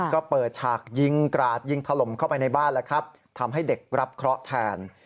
ก็เปิดฉากยิงกราดยิงถล่มเข้าไปในบ้านแล้วครับทำให้เด็กรับเคราะห์แทน